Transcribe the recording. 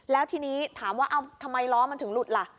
แล้วทีนี้ถามว่าทำไมล้อมันถึงหลุดล่ะ